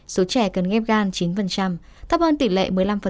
số trẻ cần ghép gan chín thấp hơn tỷ lệ một mươi năm